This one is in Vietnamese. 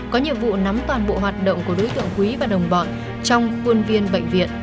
có nhiệm vụ nắm toàn bộ hoạt động của đối tượng quý và đồng bọn trong quân viên bệnh viện